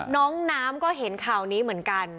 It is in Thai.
น้องน้ำก็เห็นข่าวนี้เหมือนกัน